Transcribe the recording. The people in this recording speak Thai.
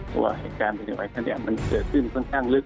หรือว่าเหตุการณ์แผ่นดินไหวมันเกิดขึ้นส่วนข้างลึก